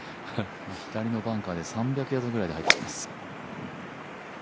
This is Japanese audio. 左のバンカーで３００ヤードぐらいで入ってきます。